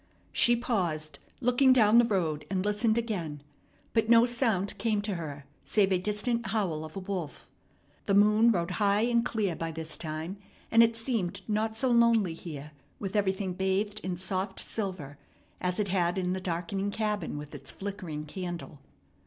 She paused, looking down the road, and listened again; but no sound came to her save a distant howl of a wolf. The moon rode high and clear by this time; and it seemed not so lonely here, with everything bathed in soft silver, as it had in the darkening cabin with its flickering candle.